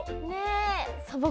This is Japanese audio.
ねえ。